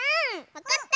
わかった！